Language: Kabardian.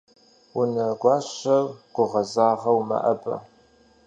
Унэгуащэр гугъэзагъэу мэӀэбэ.